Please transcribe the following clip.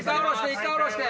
１回下ろして！